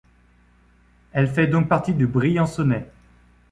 Elle fait donc partie du Briançonnais.